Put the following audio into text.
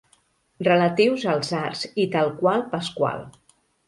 Relatius als arcs i tal i qual Pasqual.